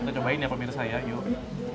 kita cobain ya pemirsa ya yuk